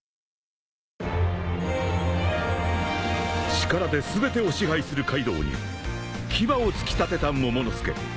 ［力で全てを支配するカイドウに牙を突き立てたモモの助］